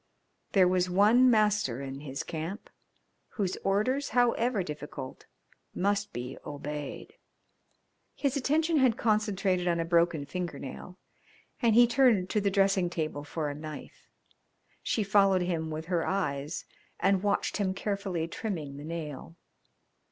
There was one master in his camp, whose orders, however difficult, must be obeyed. His attention had concentrated on a broken fingernail, and he turned to the dressing table for a knife. She followed him with her eyes and watched him carefully trimming the nail.